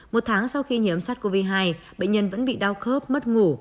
một tháng sau khi nhiễm sát covid hai bệnh nhân vẫn bị đau khớp mất ngủ